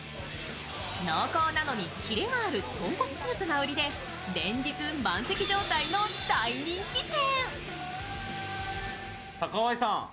濃厚なのにキレがある豚骨スープが売りで、連日、満席状態の大人気店。